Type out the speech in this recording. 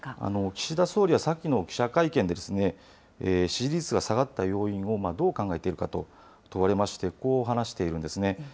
岸田総理は先の記者会見で、支持率が下がった要因をどう考えているかと問われまして、こう話しているんですね。